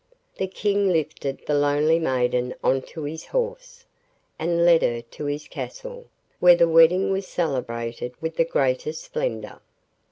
The King lifted the lonely maiden on to his horse, and led her to his castle, where the wedding was celebrated with the greatest splendour.